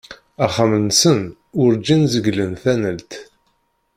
Axxam-nsen, urǧin zegglen tanalt.